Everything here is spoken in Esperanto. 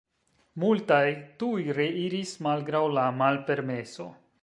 Multaj tuj reiris malgraŭ la malpermeso.